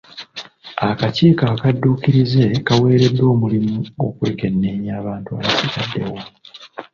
Akakiiko akadduukirize kaweereddwa omulimu okwekenneenya abantu abasigaddewo.